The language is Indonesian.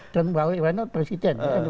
dan bahwa iwanot presiden